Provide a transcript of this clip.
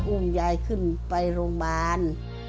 อุ้มยายขึ้นไปโรงพยาบาล